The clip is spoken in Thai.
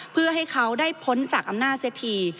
เพื่อให้เขาได้พ้นจากอำนาจเสียที